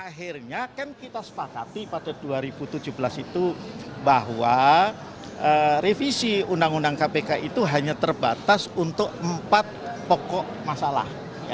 akhirnya kan kita sepakati pada dua ribu tujuh belas itu bahwa revisi undang undang kpk itu hanya terbatas untuk empat pokok masalah